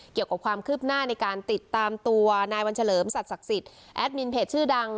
เกี่ยวกับความคืบหน้าในการติดตามตัวนายวันเฉลิมสัตวศักดิ์สิทธิ์แอดมินเพจชื่อดัง